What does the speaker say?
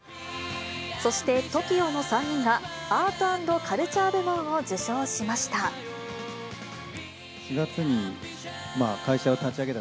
そして、ＴＯＫＩＯの３人がアート＆カルチャー部門を受賞しました。